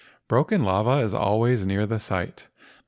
Broken lava was always near the site.